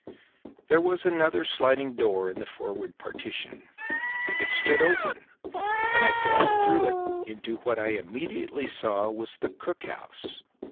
There was another sliding door in the forward partition; it stood open, and I passed through it into what I immediately saw was the cook house.